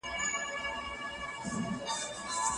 د پرمختللي غرب صادراتو پر محلي بازار اغېز وکړ.